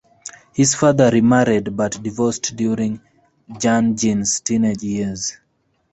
His father remarried, but divorced during Jun Jin's teenage years.